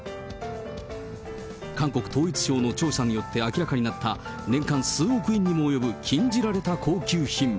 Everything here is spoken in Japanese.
韓国統一省の調査によって明らかになった、年間数億円にも及ぶ禁じられた高級品。